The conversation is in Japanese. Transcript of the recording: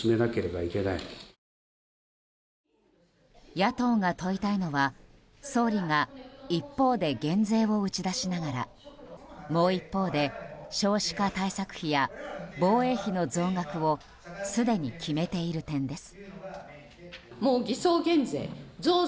野党が問いたいのは、総理が一方で減税を打ち出しながらもう一方で、少子化対策費や防衛費の増額をすでに決めている点です。